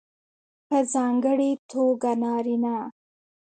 په ځانګړې توګه نارینه